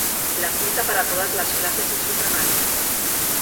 La cinta para todas las clases es ultramarina.